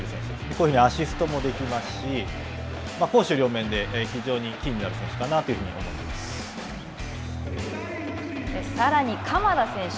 こういうふうにアシストもできますし、攻守両面で非常にキーになる選手かなと思いさらに鎌田選手。